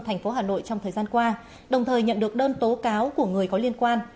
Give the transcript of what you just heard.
thành phố hà nội trong thời gian qua đồng thời nhận được đơn tố cáo của người có liên quan